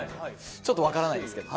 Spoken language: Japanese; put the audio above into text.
ちょっとわからないですけど。